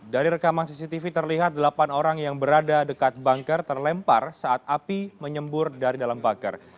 dari rekaman cctv terlihat delapan orang yang berada dekat bunker terlempar saat api menyembur dari dalam buker